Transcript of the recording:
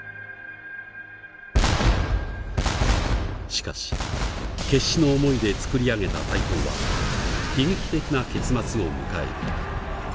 しかし決死の思いで作り上げた大砲は悲劇的な結末を迎える。